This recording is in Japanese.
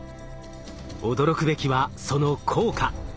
驚くべきはその効果。